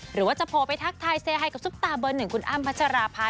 หรือว่าจะโผล่ไปทักทายเซไฮกับซุปตาเบอร์หนึ่งคุณอ้ำพัชราภา